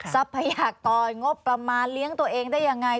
ทรัพยากรงบประมาณเลี้ยงตัวเองได้ยังไง